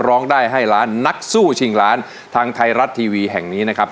ร้องได้ให้ล้านนักสู้ชิงล้านทางไทยรัฐทีวีแห่งนี้นะครับ